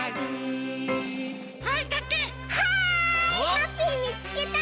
ハッピーみつけた！